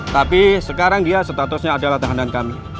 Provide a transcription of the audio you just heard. tapi sekarang dia statusnya adalah tahanan kami